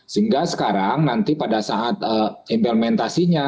sehingga sekarang nanti pada saat implementasinya